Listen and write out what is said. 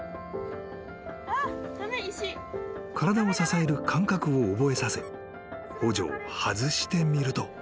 ［体を支える感覚を覚えさせ補助を外してみると］